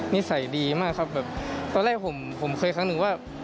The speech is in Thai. นิสัยดีมากครับตอนแรกผมเคยคงถึงว่า